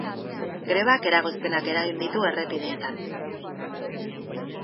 Grebak eragozpenak eragin ditu errepideetan.